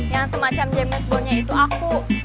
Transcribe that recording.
yang semacam james bondnya itu aku